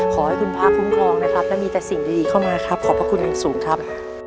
ขอให้คุณพระคุ้มครองนะครับและมีแต่สิ่งดีเข้ามาครับขอบพระคุณอย่างสูงครับ